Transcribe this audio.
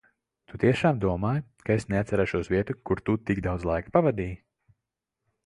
Tu tiešām domāji, ka es neatcerēšos vietu, kur tu tik daudz laika pavadīji?